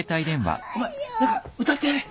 お前何か歌ってやれ。